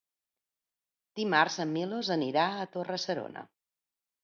Dimarts en Milos anirà a Torre-serona.